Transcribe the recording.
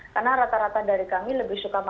karena rata rata dari kami lebih suka makan di rumah